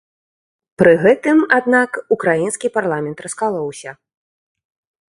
Пры гэтым, аднак, украінскі парламент раскалоўся.